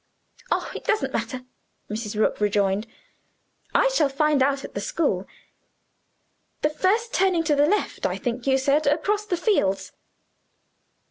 "Oh, it doesn't matter," Mrs. Rook rejoined; "I shall find out at the school. The first turning to the left, I think you said across the fields?"